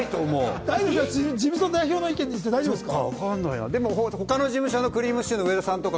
事務所の代表の意見にして大丈夫ですか？